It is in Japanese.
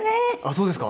そうですか？